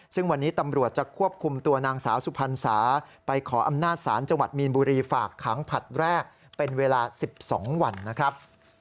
ซึ่งวันนี้ตำรวจจะควบคุมตัวนางสาวสุพรรณสาไปขออำนาจศาลจังหวัดมีนบุรีฝากขังผลัดแรกเป็นเวลา๑๒วันนะครับ